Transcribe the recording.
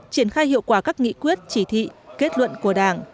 triển khai hiệu quả các nghị quyết chỉ thị kết luận của đảng